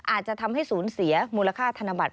อาจจะทำให้ศูนย์เสียมูลค่าธนบัตร